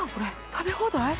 食べ放題？